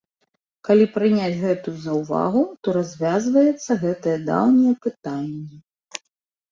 Калі прыняць гэтую заўвагу, то развязваецца гэтае даўняе пытанне.